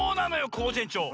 コージえんちょう。